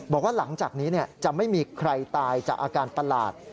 บอกว่าหลังจากนี้จะไม่มีใครตายจากอาการประหลาด